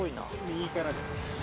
右からです。